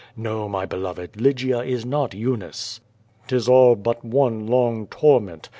No, my beloved, Lygia is not Eunice." '*^Tis all but one long torment.